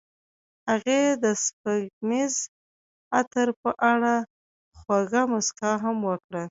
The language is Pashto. هغې د سپوږمیز عطر په اړه خوږه موسکا هم وکړه.